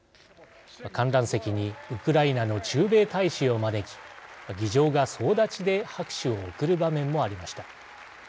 観覧席にウクライナの駐米大使を招き議場が総立ちで拍手を送る場面もありました。